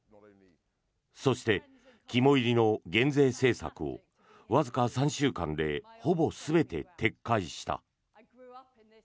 そして、肝煎りの減税政策をわずか３週間でほぼ全て撤回した。